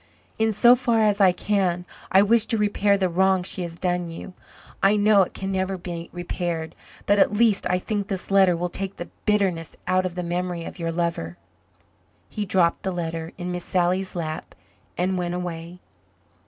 In so far as I can I wish to repair the wrong she has done you. I know it can never be repaired but at least I think this letter will take the bitterness out of the memory of your lover." He dropped the letter in Miss Sally's lap and went away.